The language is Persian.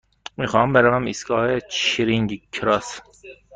می خواهم بروم ایستگاه چرینگ کراس.